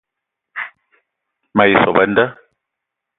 Me ye sop a nda